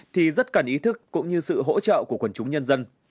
thì rất cần ý thức cũng như sự hỗ trợ của quần chúng nhân dân